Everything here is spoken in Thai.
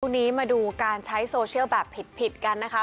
มาดูการใช้โซเชียลแบบผิดกันนะคะ